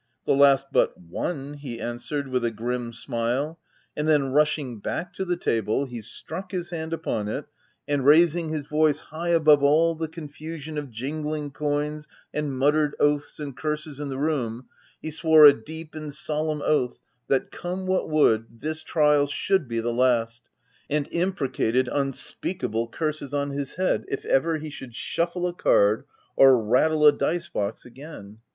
"( The last but one/ he answered, with a grim smile ; and then, rushing back to the table, he struck his hand upon it ; and raising OF WILDFELL HALL. 35 his voice high above all the confusion of jing ling coins and muttered oaths and curses in the room, he swore a deep and solemn oath that, come what would, this trial should be the last, and imprecated unspeakable curses on his head, if ever he should shuffle a card or rattle a dice box again.